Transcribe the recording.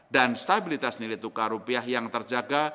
dan stabilitas nilai tukar rupiah yang terjaga